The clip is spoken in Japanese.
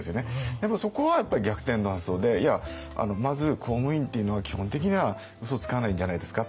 でもそこはやっぱり逆転の発想で「いやまず公務員っていうのは基本的にはうそつかないんじゃないですか？」とか。